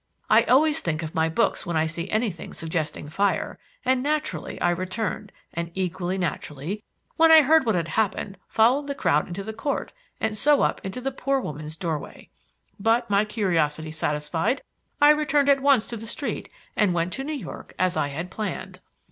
I always think of my books when I see anything suggesting fire, and naturally I returned, and equally naturally, when I heard what had happened, followed the crowd into the court and so up to the poor woman's doorway. But my curiosity satisfied, I returned at once to the street and went to New York as I had planned."